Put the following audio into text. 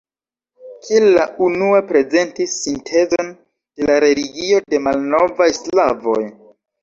Kiel la unua prezentis sintezon de la religio de malnovaj slavoj.